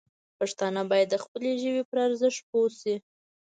پښتانه باید د خپلې ژبې پر ارزښت پوه شي.